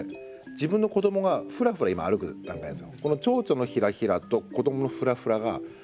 自分の子どもがふらふら今歩く段階なんですよ。